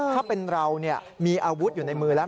ถ้าเป็นเรามีอาวุธอยู่ในมือแล้ว